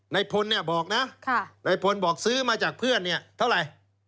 นายพลเนี่ยบอกนะนายพลบอกซื้อมาจากเพื่อนเนี่ยเท่าไหร่